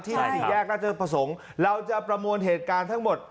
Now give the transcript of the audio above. สี่แยกราชประสงค์เราจะประมวลเหตุการณ์ทั้งหมด